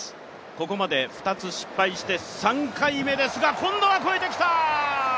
ここまで２つ失敗して３回目ですが今度は越えてきた。